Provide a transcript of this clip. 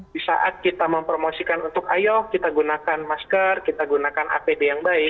di saat kita mempromosikan untuk ayo kita gunakan masker kita gunakan apd yang baik